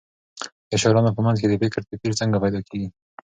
د شاعرانو په منځ کې د فکر توپیر څنګه پیدا کېږي؟